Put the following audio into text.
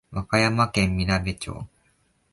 和歌山県みなべ町